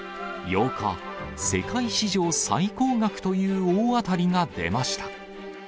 ８日、世界史上最高額という大当たりが出ました。